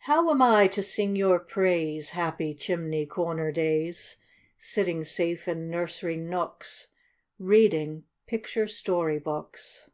How am I to sing your praise, Happy chimney corner days, Sitting safe in nursery nooks, Reading picture story books?